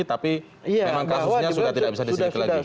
tapi memang kasusnya sudah tidak bisa diselidiki lagi